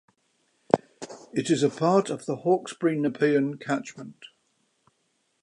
It is a part of the Hawkesbury-Nepean catchment.